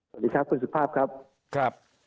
สวัสดีครับคุณสุภาพครับครับ